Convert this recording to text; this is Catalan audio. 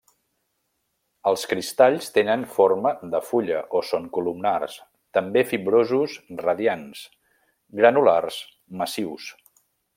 Els cristalls tenen forma de fulla o són columnars; també fibrosos radiants; granulars, massius.